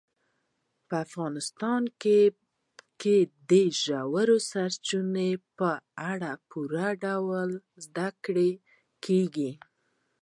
په افغانستان کې د ژورو سرچینو په اړه په پوره ډول زده کړه کېږي.